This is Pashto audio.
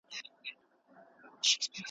دا تر هغه کوچنی دئ.